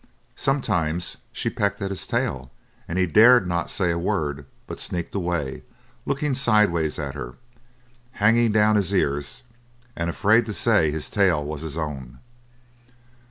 Sometimes she pecked at his tail, and he dared not say a word, but sneaked away, looking sideways at her, hanging down his ears, and afraid to say his tail was his own.